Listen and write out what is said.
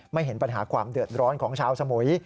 เห็นปัญหาความเดือดร้อนของชาวสมุย